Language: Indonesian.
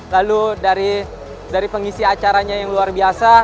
lalu dari pengisi acaranya yang luar biasa